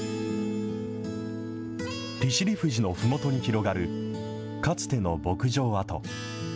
利尻富士のふもとに広がるかつての牧場跡。